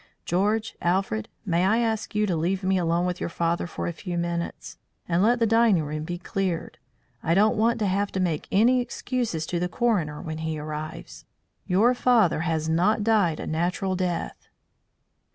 George, Alfred, may I ask you to leave me alone with your father for a few minutes. And let the dining room be cleared. I don't want to have to make any excuses to the coroner when he arrives. Your father has not died a natural death."